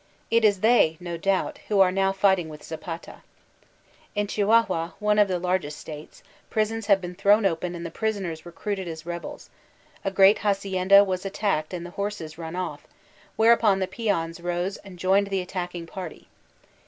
It is they no doubt who are now fighting with Zapata. In Chihuahua, one of the largest states, prisons have been thrown open and the prisoners re cruited as rebels ; a great hacienda was attacked and the horses run off, whereupon the peons rose and joined the attacking party.